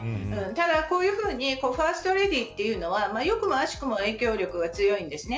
ただ、こういうふうにファーストレディーというのは良くも悪くも影響力は強いんですね。